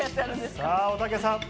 さぁ、おたけさん。